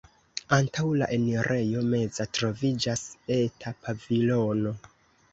Antaŭ la enirejo meza troviĝas eta pavilono.